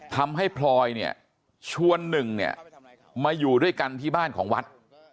พลอยเนี่ยชวนหนึ่งเนี่ยมาอยู่ด้วยกันที่บ้านของวัด